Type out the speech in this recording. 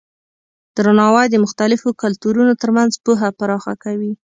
درناوی د مختلفو کلتورونو ترمنځ پوهه پراخه کوي.